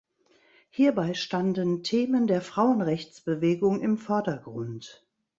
Hierbei standen Themen der Frauenrechtsbewegung im Vordergrund.